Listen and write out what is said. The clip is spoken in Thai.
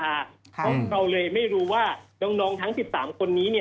เพราะเราเลยไม่รู้ว่าน้องทั้ง๑๓คนนี้